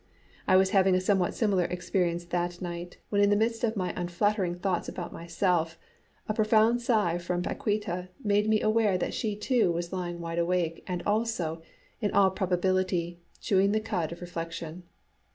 I was having a somewhat similar experience that night when in the midst of my unflattering thoughts about myself, a profound sigh from Paquíta made me aware that she too was lying wide awake and also, in all probability, chewing the cud of reflection.